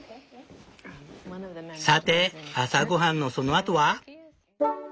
さて朝ごはんのそのあとは？